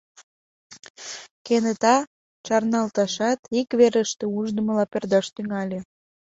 Кенета чарналтышат, ик верыште ушдымыла пӧрдаш тӱҥале.